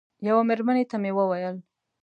یوه مېرمنې ته مې وویل.